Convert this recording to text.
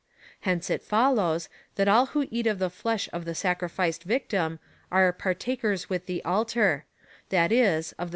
Hence it follows, that all who eat of the flesh of the sacrificed victim, are partakers with the altar, that is, of the sanctification, ' See p.